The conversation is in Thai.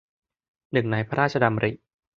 หนึ่งในพระราชดำริ